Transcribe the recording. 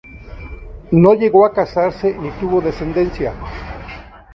No llegó a casarse ni tuvo descendencia.